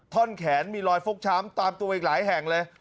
ท่อนแขนมีรอยฟกช้ำตามตัวอีกหลายแห่งเลย